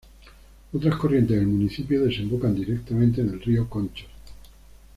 Otras corrientes del municipio desembocan directamente en el río Conchos.